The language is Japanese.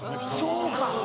そうか。